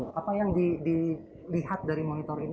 apa yang dilihat dari monitor ini